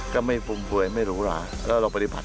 ก็ไม่ฟุ่มพวยไม่หรูหราแล้วเราปฏิบัติ